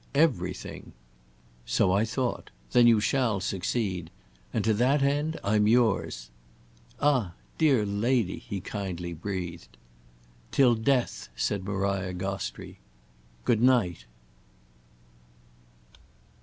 "Everything." "So I thought. Then you shall succeed. And to that end I'm yours—" "Ah, dear lady!" he kindly breathed. "Till death!" said Maria Gostrey. "Good night."